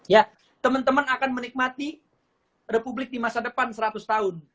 ya teman teman akan menikmati republik di masa depan seratus tahun